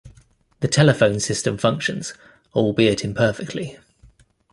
The telephone system functions, albeit imperfectly.